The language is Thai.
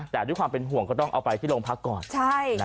แต่หวังว่าคุณต้องเอาไปสู่โรงพักก่อน